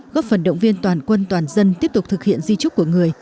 góp phần động viên toàn quân toàn dân tiếp tục thực hiện di trúc của người